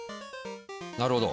なるほど。